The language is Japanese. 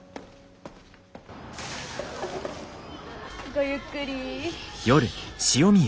ごゆっくり。